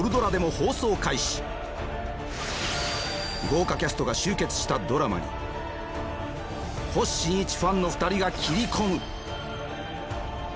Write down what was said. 豪華キャストが集結したドラマに星新一ファンの２人が切り込む！